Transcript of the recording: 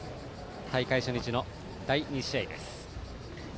大会初日の第２試合です。